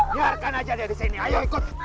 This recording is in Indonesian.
biarkan aja dia disini ayo ikut